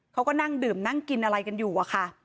เขาก็นั่งดื่มนั่งกินอะไรกันอยู่อะค่ะ